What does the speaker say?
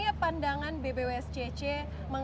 kalau kita berbicara tentang banjir kali ciliwung